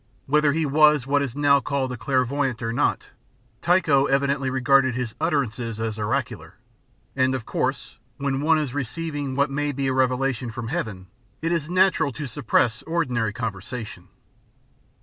Whether he was what is now called a "clairvoyant" or not, Tycho evidently regarded his utterances as oracular, and of course when one is receiving what may be a revelation from heaven it is natural to suppress ordinary conversation.